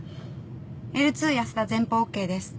Ｌ２安田前方ＯＫです。